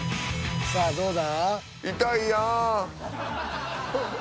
［さあどうだ？］